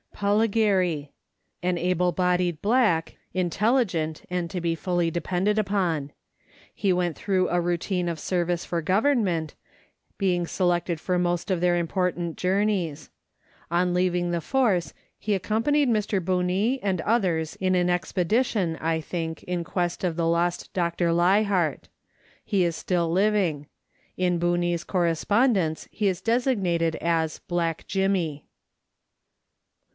Polligary (Polligerry). An able bodied black, intelligent, and to be fully depended upon. He went through a routine of service for Government, being selected for most of their important journeys. On leaving the force, he accompanied Mr. Bunce and others in an expedition, I think, in quest of the lost Dr. Leichhardt ; he is still living. In Bunce's correspondence he is designated as " Black Jimmy."